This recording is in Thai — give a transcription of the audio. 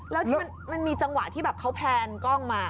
แล้วมันมีจังหวะที่แบบเขาแพลนกล้องมา